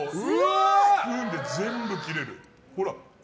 スプーンで全部切れる。